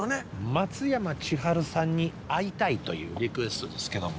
「松山千春さんに会いたい」というリクエストですけども。